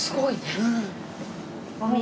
うん。